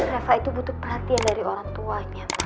reva itu butuh perhatian dari orang tuanya